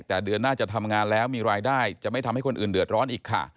แต่เดือนหน้าจะทำงานแล้วมีรายได้จะไม่ทำให้คนอื่นเดือดร้อนอีกค่ะ